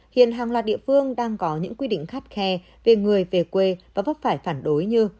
hiện hàng loạt địa phương đang có những quy định khắt khe về người về quê và vấp phải phản đối như